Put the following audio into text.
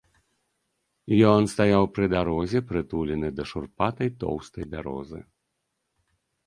Ён стаяў пры дарозе, прытулены да шурпатай тоўстай бярозы.